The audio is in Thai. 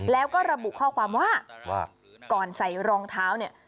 แล้วก็ระบุข้อความว่าว่าก่อนใส่รองเท้าเนี่ย